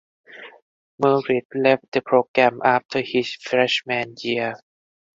Merritt left the program after his freshman year.